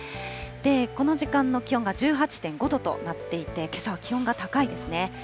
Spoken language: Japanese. この時間の気温が１８．５度となっていて、けさは気温が高いですね。